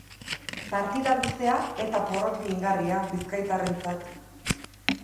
Partida luzea eta porrot mingarria bizkaitarrentzat.